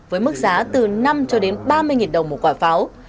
với mức giá từ năm cho đến ba mươi đồng một quả pháo